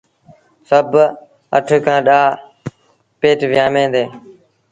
سڀ اٺ کآݩ ڏآه پيٽ ويٚآمي ديٚ۔